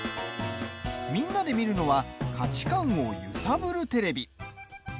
みんなで見るのは価値観を揺さぶるテレビ。